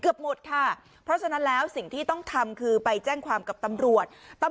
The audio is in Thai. เกือบหมดค่ะเพราะฉะนั้นแล้วสิ่งที่ต้องทำคือไปแจ้งความกับตำรวจ